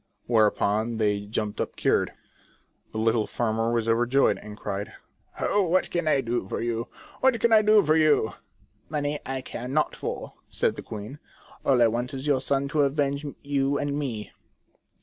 Whereupon they jumped up cured. The little farmer was overjoyed, and cried :" Oh, what can I do for you ? What can I do for you ?"" Money I care not for," said the queen, " all I want is your son to avenge you and me."